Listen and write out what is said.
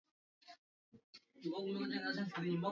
ambayo huhusika na ubora na usalama wa vyakula